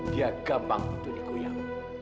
dia gampang untuk dikoyak